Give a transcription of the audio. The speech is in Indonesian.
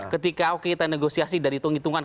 ketika kita negosiasi dari itung itungan